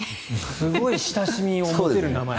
すごい親しみを持てる名前。